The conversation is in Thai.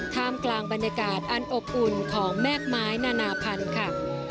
ท่ามกลางบรรยากาศอันอบอุ่นของแม่กไม้นานาพันธุ์ค่ะ